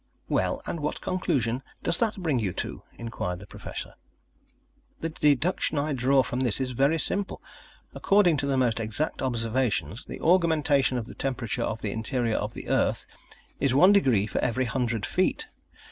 "Well, and what conclusion does that bring you to?" inquired the Professor. "The deduction I draw from this is very simple. According to the most exact observations, the augmentation of the temperature of the interior of the earth is one degree for every hundred feet.